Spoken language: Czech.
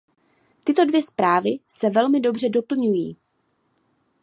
Tyto dvě zprávy se velmi dobře dopĺňují.